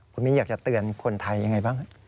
คุณมิ้นอยากจะเตือนคนไทยยังไงบ้าง